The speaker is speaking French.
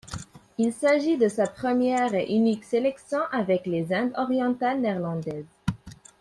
Il s'agit de sa première et unique sélection avec les Indes orientales néerlandaises.